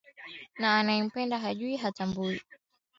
Na anayempenda hajui, hatambui.